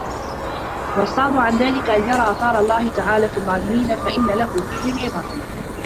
وَالصَّادُّ عَنْ ذَلِكَ أَنْ يَرَى آثَارَ اللَّهِ تَعَالَى فِي الظَّالِمِينَ فَإِنَّ لَهُ فِيهِمْ عِبَرًا